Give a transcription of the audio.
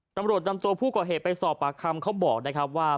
ตำรวจนำตัวผู้ก่อเหตุไปสอบปากคำเขาบอกนะครับว่า